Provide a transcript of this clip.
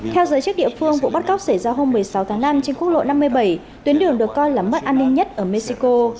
theo giới chức địa phương vụ bắt cóc xảy ra hôm một mươi sáu tháng năm trên quốc lộ năm mươi bảy tuyến đường được coi là mất an ninh nhất ở mexico